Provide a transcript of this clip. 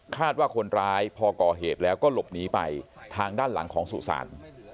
ว่าคนร้ายพอก่อเหตุแล้วก็หลบหนีไปทางด้านหลังของสุสาน